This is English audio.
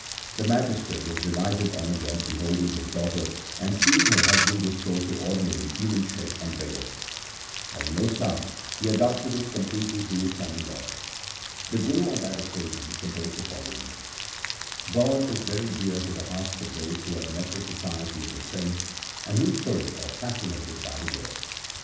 The magistrate was delighted on again beholding his daughter and seeing her husband restored to ordinary human shape and vigour. Having no son he adopted his 270 THE SIKH RELIGION completely healed son in law. The Guru on that occasion composed the following :— God is very dear to the hearts of those who have met the society of the saints and whose souls are fascinated by the Word.